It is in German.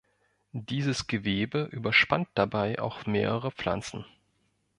Dieses Gewebe überspannt dabei auch mehrere Pflanzen.